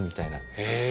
へえ！